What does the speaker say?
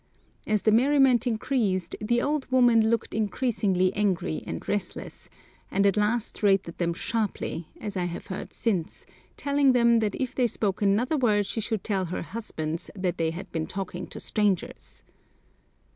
As the merriment increased the old woman looked increasingly angry and restless, and at last rated them sharply, as I have heard since, telling them that if they spoke another word she should tell their husbands that they had been talking to strangers.